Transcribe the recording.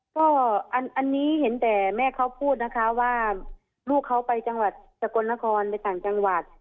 ก็อันนี้เห็นแต่แม่เขาพูดนะคะว่าลูกเขาไปจังหวัดสกลนครไปต่างจังหวัด